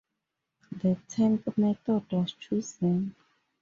The tank method was chosen.